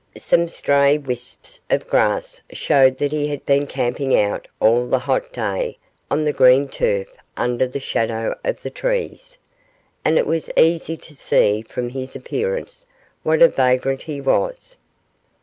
Some stray wisps of grass showed that he had been camping out all the hot day on the green turf under the shadow of the trees, and it was easy to see from his appearance what a vagrant he was.